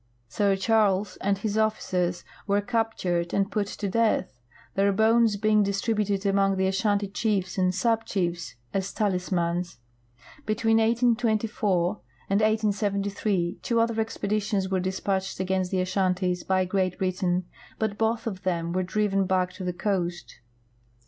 Sir Charles and liis officers were captured and put to death, their bones being distributed among the Ashanti cliiefs and sub chiefs as talismans. Between 1824 and 1873 two other expeditions were dispatched against the Ashantis by Great Britain, but both of them were driven back to the coast.